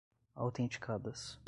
autenticadas